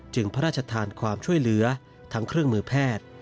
พระราชทานความช่วยเหลือทั้งเครื่องมือแพทย์